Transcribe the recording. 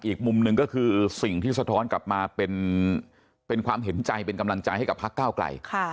อีกมุมหนึ่งก็คือสิ่งที่สะท้อนกลับมาเป็นความเห็นใจเป็นกำลังใจให้กับพักเก้าไกล